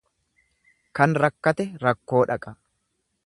Kan rakkate rakkoo dhaqa.